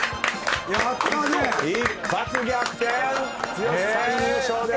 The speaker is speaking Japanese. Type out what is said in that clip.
剛さん優勝です。